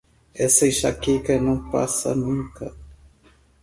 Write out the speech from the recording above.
Essa enxaqueca não passa nunca.